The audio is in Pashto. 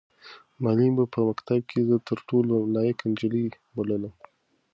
معلمې به په مکتب کې زه تر ټولو لایقه نجلۍ بللم.